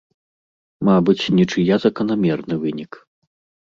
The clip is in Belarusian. Мабыць, нічыя заканамерны вынік.